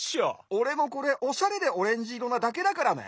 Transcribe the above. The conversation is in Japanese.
おれもこれおしゃれでオレンジいろなだけだからね。